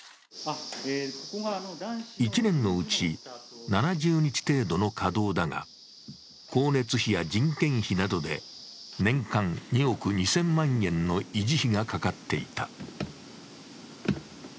１年のうち７０日程度の稼働だが、光熱費や人件費などで年間２億２０００万円の維持費がかかっていた。